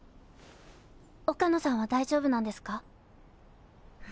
岡野さんは大丈夫なんですか？